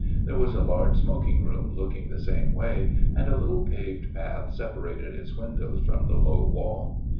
There was a large smoking room looking the same way, and a little paved path separated its windows from the low wall.